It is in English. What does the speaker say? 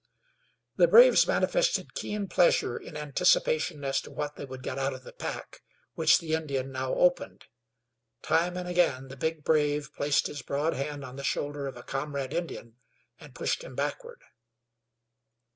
The braves manifested keen pleasure in anticipation as to what they would get out of the pack, which the Indian now opened. Time and again the big brave placed his broad hand on the shoulder of a comrade Indian and pushed him backward.